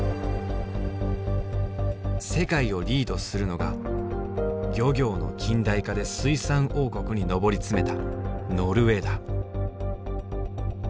世界をリードするのが「漁業の近代化」で水産王国に上り詰めたノルウェーだ。